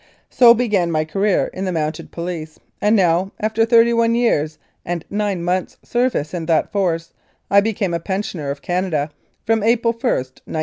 So began my career in the Mounted Police, and now, after thirty one years and nine months' service in that Force, I became a pensioner of Canada from April i, 1915.